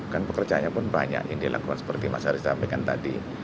kan pekerjaannya pun banyak yang dilakukan seperti mas haris sampaikan tadi